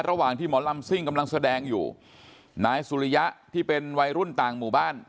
ระหว่างที่หมอลำซิ่งกำลังแสดงอยู่นายสุริยะที่เป็นวัยรุ่นต่างหมู่บ้าน